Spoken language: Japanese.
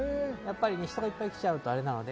人がいっぱい来ちゃうとあれなので。